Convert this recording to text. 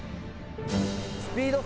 スピード